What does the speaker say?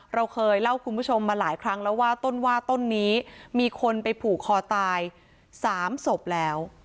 เราเคยเล่าคุณผู้ชมมาหลายครั้งแล้วว่าต้นว่าต้นนี้มีคนไปผูกคอตาย๓ศพแล้ว